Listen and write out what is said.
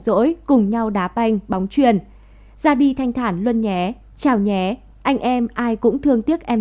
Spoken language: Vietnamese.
rỗi cùng nhau đá banh bóng truyền ra đi thanh thản luân nhé trào nhé anh em ai cũng thương tiếc em